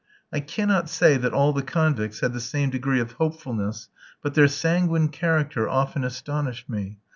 I cannot say that all the convicts had the same degree of hopefulness, but their sanguine character often astonished me.